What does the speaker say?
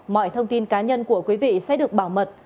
mọi thông tin cá nhân của quý vị sẽ được bảo mật